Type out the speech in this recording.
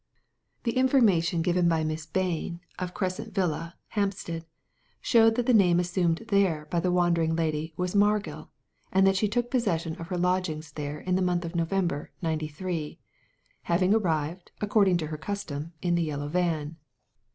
The information given by Miss Bain, of Crescent Digitized by Google ^C40 THE LADY FROM NOWHERE Villa, Hampstead, showed that the name assumed there by the wandering lady was Margil, and that she took possession of her lodgings there in the month of November, '93 — having arrived, according to her custom, in the yellow van.